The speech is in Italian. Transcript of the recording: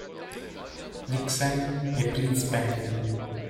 Vixen, e Prince Penguin.